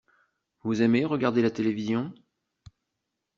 Vous aimez regarder la télévision ?